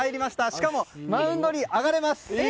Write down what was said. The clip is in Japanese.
しかもマウンドに上がれます。